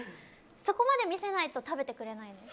そこまで見せないと食べてくれないんです。